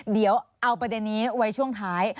เดี๋ยวเอาประเด็นนี้ไว้ช่วงท้าย